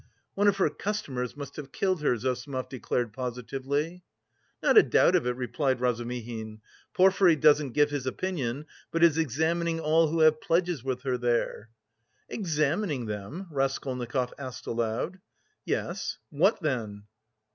"One of her customers must have killed her," Zossimov declared positively. "Not a doubt of it," replied Razumihin. "Porfiry doesn't give his opinion, but is examining all who have left pledges with her there." "Examining them?" Raskolnikov asked aloud. "Yes. What then?"